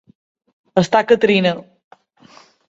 Estar que trina.